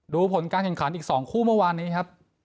ผลการแข่งขันอีก๒คู่เมื่อวานนี้ครับ